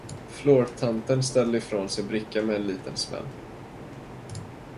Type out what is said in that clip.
Flourtanten ställde ifrån sig brickan med en liten smäll.